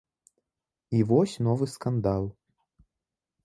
І вось новы скандал.